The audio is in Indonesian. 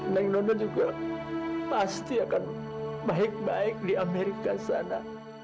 neng nono juga pasti akan baik baik di amerika sana